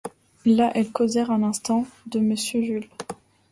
Là, elles causèrent un instant de monsieur Jules.